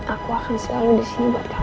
aku akan selalu disini buat kamu